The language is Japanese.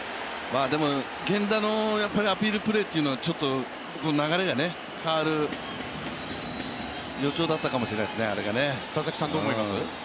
でも、源田のアピールプレーというのは流れが変わる予兆だったかもしれないですね。